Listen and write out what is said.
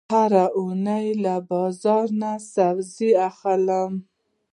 زه هره اونۍ له بازار نه سبزي اخلم.